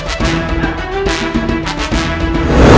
cadang anjing buka